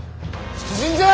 出陣じゃ！